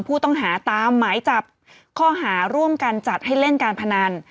ผู้ต้องหาตามหมายจับข้อหาร่วมกันจัดให้เล่นการพนัน